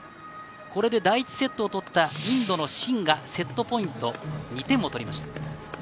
これで第１セットを取ったインドのシンがセットポイント２点を取りました。